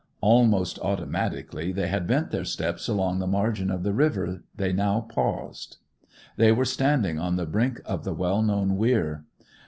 Almost automatically they had bent their steps along the margin of the river; they now paused. They were standing on the brink of the well known weir.